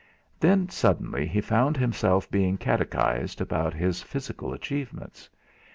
Then suddenly he found himself being catechised about his physical achievements.